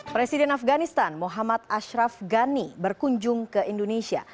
presiden afganistan muhammad ashraf ghani berkunjung ke indonesia